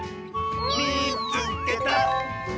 「みいつけた！」。